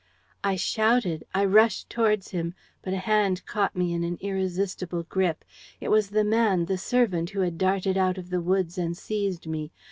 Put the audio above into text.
"I shouted, I rushed towards him, but a hand caught me in an irresistible grip. It was the man, the servant, who had darted out of the woods and seized me.